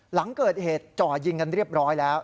หลังเกิดเหตุจ่อยิงกันเรียบร้อยแล้ว